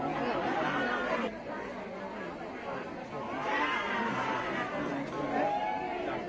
ทีก่อนนะครับ